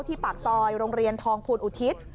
ปากซอยโรงเรียนทองภูลอุทิศ